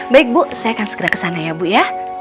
baik bu saya akan segera kesana ya bu ya